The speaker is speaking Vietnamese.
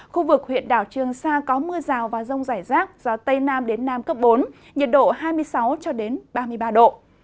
khu vực huyện đảo trường sa có mưa rào và rông rải rác gió tây nam đến nam cấp bốn nhiệt độ hai mươi sáu ba mươi ba độ